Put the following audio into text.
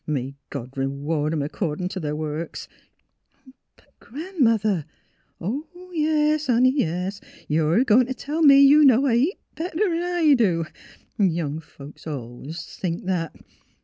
— May God r'ward 'em, 'corclin' t' their works !"'' But, Gran 'mother "'' Yes, honey; yes! You're a goin' t' tell me you know a heap better 'n I do. Young folks al'ays thinks that.